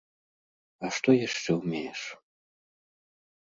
А што яшчэ ўмееш?